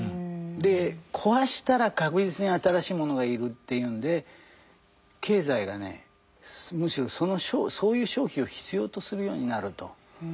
で壊したら確実に新しいものが要るっていうんで経済がねむしろそういう消費を必要とするようになると。